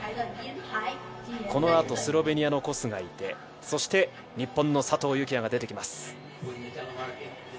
このあとスロベニアのコスがいてそして日本の佐藤幸椰が出てきます。